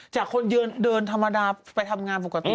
จากคนเดินธรรมดาไปทำงานปกติ